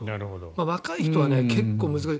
若い人は結構難しい。